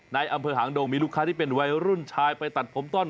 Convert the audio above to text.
ในอำเภอหางดงมีลูกค้าที่เป็นวัยรุ่นชายไปตัดผมต้อน